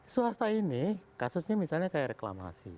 swasta ini kasusnya misalnya kayak reklamasi